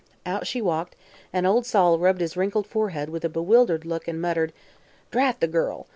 Out she walked, and old Sol rubbed his wrinkled forehead with a bewildered look and muttered: "Drat the gal!